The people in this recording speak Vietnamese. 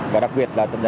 và đặc biệt là